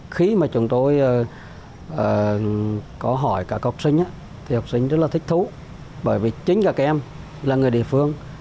khi mà chúng tôi có hỏi các học sinh thì học sinh rất là thích thú bởi vì chính các em là người địa phương